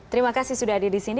terima kasih sudah hadir di sini